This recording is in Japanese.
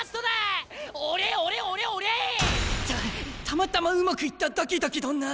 たまたまうまくいっただけだけどな！